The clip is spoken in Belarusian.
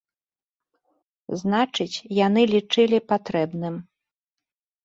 Значыць, яны лічылі патрэбным.